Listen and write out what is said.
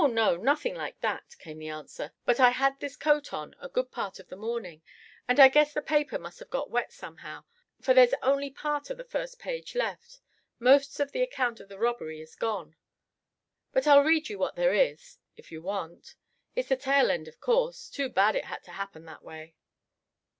no; nothing like that," came the answer, "but you see I had this coat on a good part of the morning, and I guess the paper must have got wet somehow, for there's only part of the first page left; most of the account of the robbery is gone. But I'll read you what there is, if you want. It's the tail end, of course. Too bad it had to happen that way."